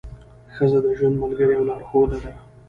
ښځه د ژوند ملګرې او لارښوده ده.